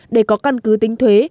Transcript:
để có căn cứ tính thuế